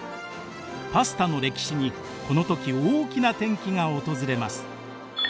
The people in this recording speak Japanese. パスタの歴史にこの時大きな転機が訪れます。